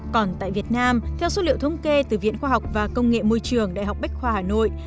còn tại việt nam theo số liệu thống kê từ viện khoa học và công nghệ môi trường đại học bách khoa hà nội